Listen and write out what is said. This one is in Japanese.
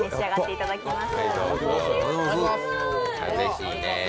いただきます